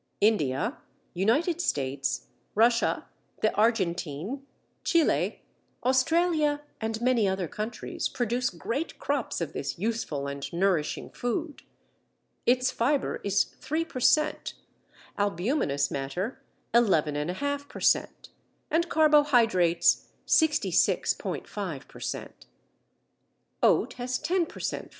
India, United States, Russia, the Argentine, Chile, Australia, and many other countries, produce great crops of this useful and nourishing food. Its fibre is 3 per cent., albuminous matter 11 1/2 per cent., and carbo hydrates 66·5 per cent. Oat has 10 per cent.